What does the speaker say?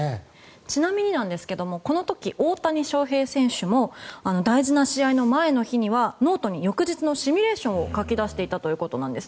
ちなみに、この時大谷翔平選手も大事な試合の前の日にはノートに翌日のシミュレーションを書き出していたということです。